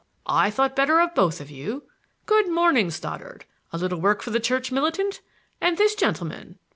I thought better of both of you. Good morning, Stoddard! A little work for the Church militant! And this gentleman?"